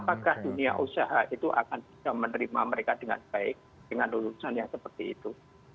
apakah dunia usaha itu akan bisa menerima mereka dengan baik dengan lulusan yang seperti itu